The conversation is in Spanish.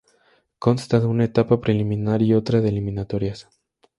Consta de una etapa preliminar y otra de eliminatorias.